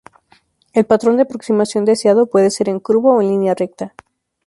El patrón de aproximación deseado puede ser en curva o en línea recta.